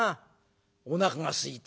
おなかがすいた。